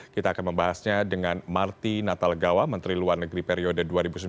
kita akan membahasnya dengan marty natalgawa menteri luar negeri periode dua ribu sembilan dua ribu empat belas